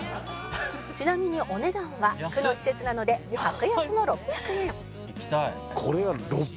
「ちなみにお値段は区の施設なので格安の６００円」「行きたい」